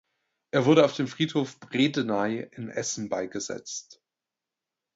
Er wurde auf dem Friedhof Bredeney in Essen beigesetzt.